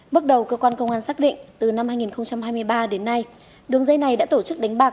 bước đầu cơ quan công an xác định từ năm hai nghìn hai mươi ba đến nay đường dây này đã tổ chức đánh bạc